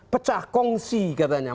pecah kongsi katanya